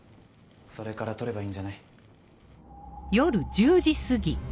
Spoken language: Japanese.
それから取ればいいんじゃない？